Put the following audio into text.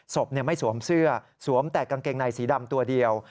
ศพไม่สวมเสื้อสวมแต่กางเกงในสีดำตัวเดียว